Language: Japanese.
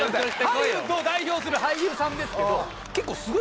ハリウッドを代表する俳優さんですけど。